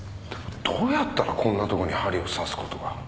どうやったらこんなところに針を刺すことが？